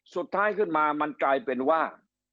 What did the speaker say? สุดท้ายขึ้นมามันกลายเป็นว่า